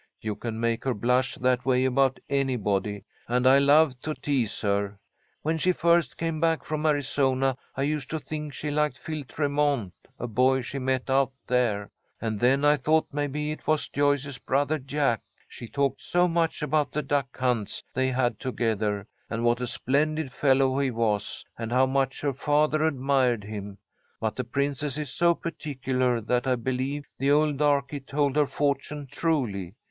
"You can make her blush that way about anybody, and I love to tease her. When she first came back from Arizona, I used to think she liked Phil Tremont, a boy she met out there, and then I thought maybe it was Joyce's brother Jack. She talked so much about the duck hunts they had together, and what a splendid fellow he was, and how much her father admired him. But the Princess is so particular that I believe the old darky told her fortune truly.